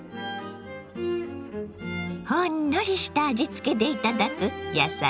ほんのりした味付けで頂く野菜